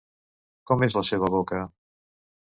Com és la seva boca?